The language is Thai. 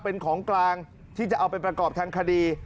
เป็นของกลางที่จะเอาไปประกอบทางคดี